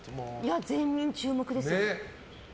全員注目ですよ。